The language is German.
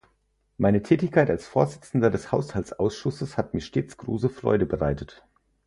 Meine Tätigkeit als Vorsitzender des Haushaltsausschusses hat mir stets große Freude bereitet.